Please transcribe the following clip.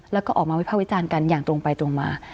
แล้วก็ออกมาวิภาควิจารณ์กันอย่างตรงไปตรงมา